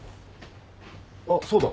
あっそうだ。